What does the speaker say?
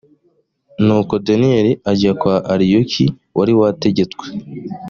nuko daniyeli ajya kwa ariyoki wari wategetswe